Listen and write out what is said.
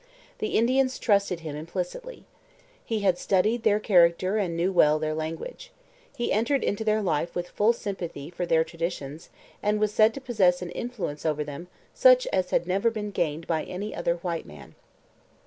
The Indians trusted him implicitly. He had studied their character and knew well their language. He entered into their life with full sympathy for their traditions and was said to possess an influence over them such as had never been gained by any other white man.